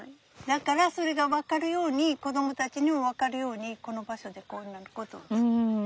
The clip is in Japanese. だからそれが分かるように子どもたちにも分かるようにこの場所でこんなことをすることにしたのよ。